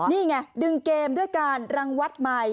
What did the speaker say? นี่ไงดึงเกมด้วยการรังวัดใหม่